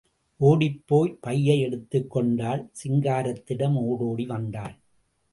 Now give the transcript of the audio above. ஓடிப் போய் பையை எடுத்துக் கொண்டாள், சிங்காரத்திடம் ஓடோடி வந்தாள்.